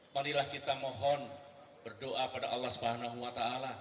marilah kita mohon berdoa pada allah swt